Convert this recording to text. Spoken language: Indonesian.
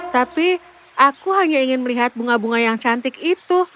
tapi aku hanya ingin melihat bunga bunga yang cantik itu